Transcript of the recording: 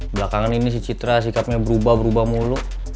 belakangan ini si citra sikatnya berubah berubah mulu